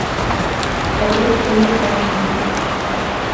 دەبێت بەیەکەوە بین.